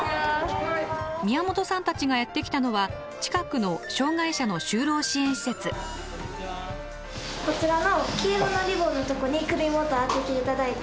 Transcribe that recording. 宮本さんたちがやって来たのは近くのこちらの黄色のリボンのとこに首元当てて頂いて。